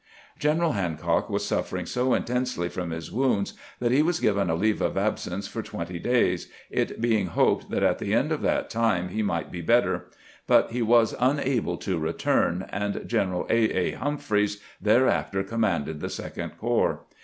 General Hancock was suffering so intensely from his wounds that he was given a leave of absence for twenty days, it being hoped that at the end of that time he might be better ; but he was unable to return, and Gren eral A. A. Humphreys thereafter commanded the Second Corps.